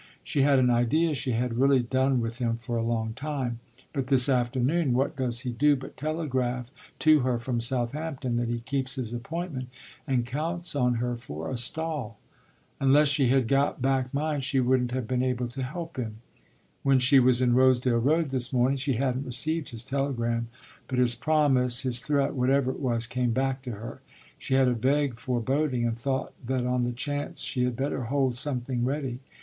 She had an idea she had really done with him for a long time. But this afternoon what does he do but telegraph to her from Southampton that he keeps his appointment and counts on her for a stall? Unless she had got back mine she wouldn't have been able to help him. When she was in Rosedale Road this morning she hadn't received his telegram; but his promise, his threat, whatever it was, came back to her: she had a vague foreboding and thought that on the chance she had better hold something ready.